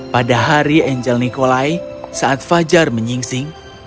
pada hari angel nikolai saat fajar menyingsing